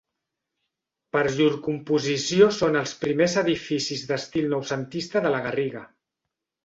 Per llur composició són els primers edificis d'estil noucentista de La Garriga.